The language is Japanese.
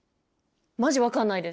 マジ分かんないです。